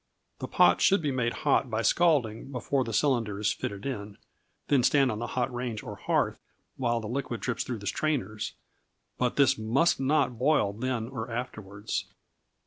The pot should be made hot by scalding before the cylinder is fitted on, then stand on the hot range or hearth, while the liquid drips through the strainers. But this must not boil then or afterwards.